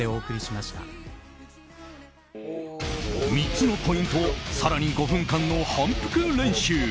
３つのポイントを更に５分間の反復練習。